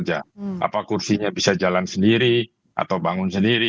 apa kursinya bisa jalan sendiri atau bangun sendiri